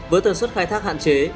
với thần suất khai thác hạn chế